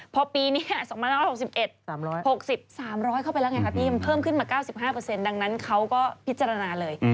พอปีนี้๒๑๖๑๖๐๓๐๐เข้าไปแล้วไงครับพี่มันเพิ่มขึ้นมา๙๕ดังนั้นเขาก็พิจารณาเลย